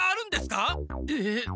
えっ？